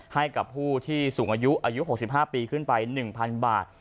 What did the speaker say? ให้กับผู้ที่สูงอายุอายุ๖๕ปีขึ้นไป๑๐๐๐บาท